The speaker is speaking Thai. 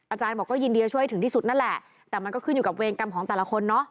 อาจารย์บอกก็ยินดีช่วยถึงที่สุดนั่นแหละแต่มันก็ขึ้นอยู่กับเวรกรรมของแต่ละคนเนาะ